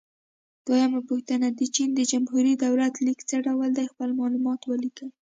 دویمه پوښتنه: د چین د جمهوري دولت لیک څه ډول دی؟ خپل معلومات ولیکئ.